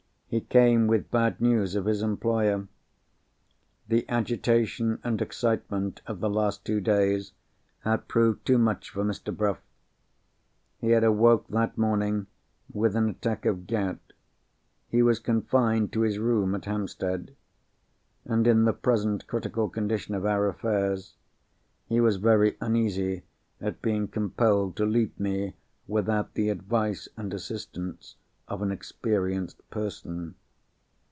He came with bad news of his employer. The agitation and excitement of the last two days had proved too much for Mr. Bruff. He had awoke that morning with an attack of gout; he was confined to his room at Hampstead; and, in the present critical condition of our affairs, he was very uneasy at being compelled to leave me without the advice and assistance of an experienced person.